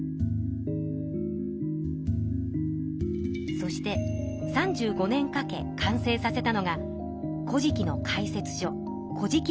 そして３５年かけ完成させたのが「古事記」の解説書